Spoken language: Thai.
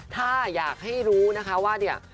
ถ้าอยากให้รู้นะคะว่าเนี่ย